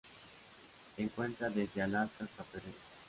Se encuentra desde Alaska hasta el Perú.